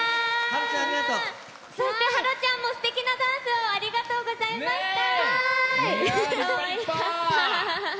芭路ちゃんもすてきなダンスをありがとうございました。